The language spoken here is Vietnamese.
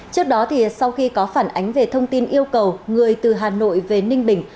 trước đó sau khi có phản ánh về thông tin yêu cầu người từ hà nội về ninh bình